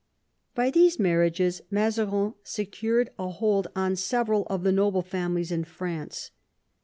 By these marriages Mazarin secured a hold on several of the noble families in France.